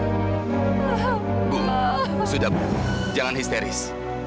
ibu sudah bu jangan histeris